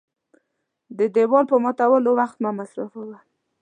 د دېوال په ماتولو وخت مه مصرفوه .